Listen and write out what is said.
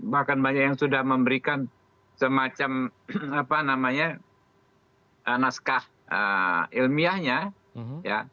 bahkan banyak yang sudah memberikan semacam apa namanya naskah ilmiahnya ya